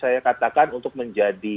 saya katakan untuk langsung menjadi pakar